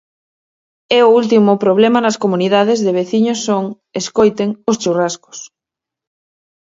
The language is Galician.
E o último problema nas comunidades de veciño son, escoiten, os churrascos.